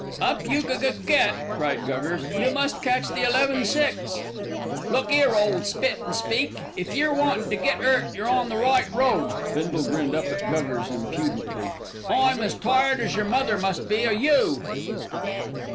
"Up you gug gug get," cried Guggers. "You must catch the 11.6." "Look 'ere, ole Spit and Speak, if you're wantin' to get 'urt you're on the right road." Bindle grinned up at Guggers impudently. "I'm as tired as yer mother must be o' you."